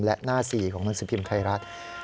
และหน้า๔ของหนังสือพิมพ์ไทยรัฐ